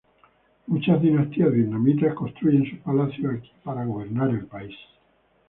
Muchas dinastías vietnamitas construyeron sus palacios aquí para gobernar el país.